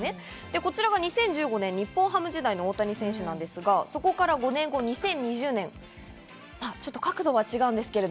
こちらが２０１５年、日本ハム時代の大谷選手ですが、そこから５年後、２０２０年、角度は違うんですけれど。